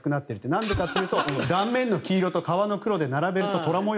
なんでかというと顔面の黄色と皮の黒で並べると虎模様